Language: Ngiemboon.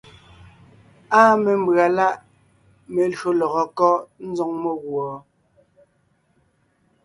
Áa mémbʉ̀a láʼ melÿò lɔgɔ kɔ́ ńzoŋ meguɔ?